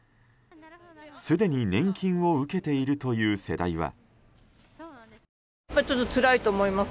すでに年金を受けているという世代は。